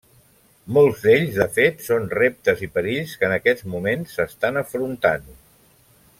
Molts d'ells, de fet, són reptes i perills que en aquests moments s'estan afrontant.